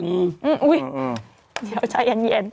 อุ๊ยเดี๋ยวใจเย็น